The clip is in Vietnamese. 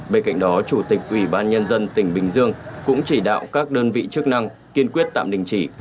bên cạnh đó chủ tịch ủy ban nhân dân tỉnh bình dương cũng chỉ đạo các đơn vị chức năng kiên quyết tạm đình chỉ